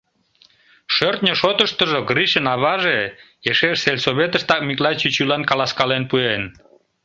Шӧртньӧ шотыштыжо Гришын аваже эше сельсоветыштак Миклай чӱчӱлан каласкален пуэн.